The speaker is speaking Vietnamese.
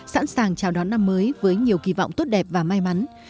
sẵn sàng chào đón năm mới với nhiều kỳ vọng tốt đẹp và may mắn